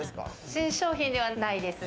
新商品ではないです。